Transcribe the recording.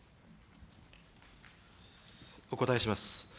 お答えします。